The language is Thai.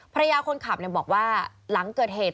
ภรรยาคนขับบอกว่าหลังเกิดเหตุ